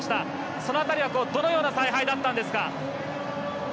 その辺りはどのような采配だったんですか？